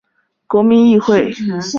国民议会。